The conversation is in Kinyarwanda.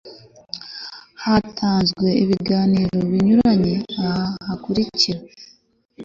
hatanzwe ibiganiro binyuranye aha hakurikira